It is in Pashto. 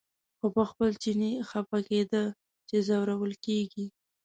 خو په خپل چیني خپه کېده چې ځورول کېږي.